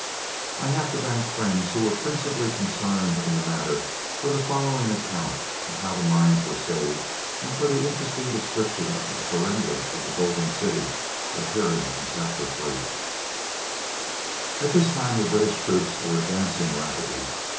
I have to thank friends who were principally concerned in the matter for the following account of how the mines were saved and for the interesting description of the surrender of the Golden City, appearing in Chapter III. At this time the British troops were advancing rapidly.